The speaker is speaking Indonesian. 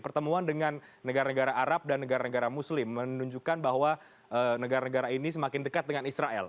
pertemuan dengan negara negara arab dan negara negara muslim menunjukkan bahwa negara negara ini semakin dekat dengan israel